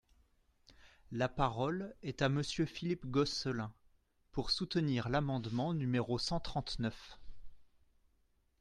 La parole est à Monsieur Philippe Gosselin, pour soutenir l’amendement numéro cent trente-neuf.